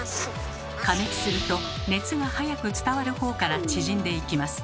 加熱すると熱がはやく伝わるほうから縮んでいきます。